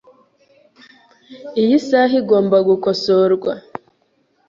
Iyi saha igomba gukosorwa .